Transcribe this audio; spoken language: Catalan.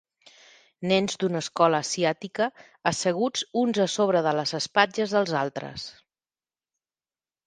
Nens d'una escola asiàtica asseguts uns a sobre de les espatlles dels altres.